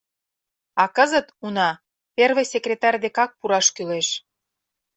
А кызыт, уна, первый секретарь декак пураш кӱлеш.